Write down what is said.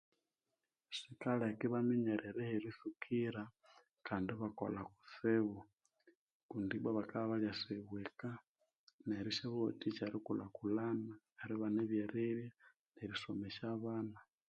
Sikaleka Ibaminyerera heritsukira kandi ibakolha kutsibu kundi ibwa bakabya ibalyasiyibweka neryo isyabawathika erikulhakulhana neribana ebyerirya nerisomesya abana